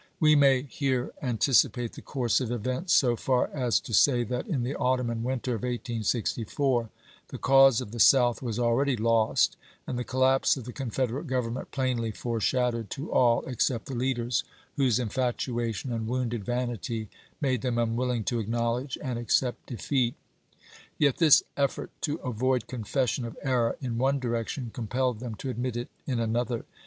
We may here anticipate the course of events so far as to say that, in the autumn and winter of 1864, the cause of the South was already lost and the collapse of the Con federate Government plainly foreshadowed to all except the leaders, whose infatuation and wounded vanity made them unwilling to acknowledge and accept defeat. Yet this effort to avoid confession of error in one direction compelled them to admit it in another.